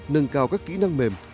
nâng cao các kỹ năng mềm